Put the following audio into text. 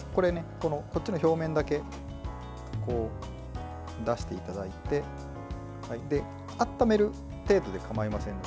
こっちの表面だけ出していただいて温める程度で構いませんので。